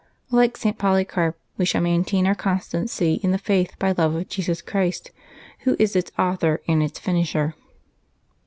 Like St. Poly carp, we shall maintain our constancy in the faith by love of Jesus Christ, Who is its author and its finisher.